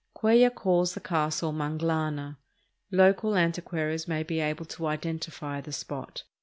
Cuellar calls the castle Manglana; local antiquaries may be able to identify the spot.